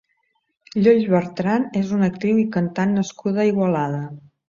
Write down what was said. Lloll Bertran és una actriu i cantant nascuda a Igualada.